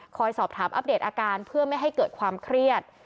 สอบถามอัปเดตอาการเพื่อไม่ให้เกิดความเครียด